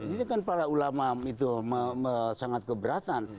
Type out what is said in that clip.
ini kan para ulama itu sangat keberatan